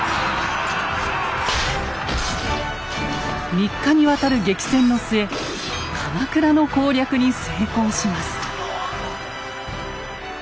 ３日にわたる激戦の末鎌倉の攻略に成功します。